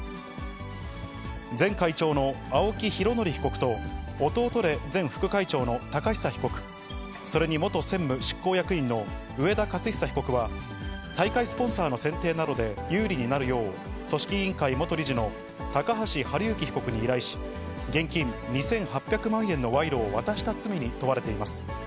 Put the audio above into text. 前会長の青木拡憲被告と、弟で前副会長の寶久被告、それに元専務執行役員の上田雄久被告は、大会スポンサーの選定などで有利になるよう、組織委員会元理事の高橋治之被告に依頼し、現金２８００万円の賄賂を渡した罪に問われています。